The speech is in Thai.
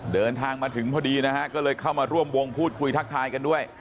เดินทางมาถึงพอดีนะฮะก็เลยเข้ามาร่วมวงพูดคุยทักทายกันด้วย